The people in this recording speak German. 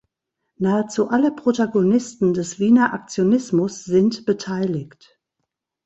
Nahezu alle Protagonisten des Wiener Aktionismus sind beteiligt.